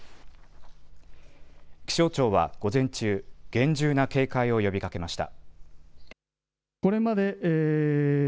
気象庁は午前中、厳重な警戒を呼びかけました。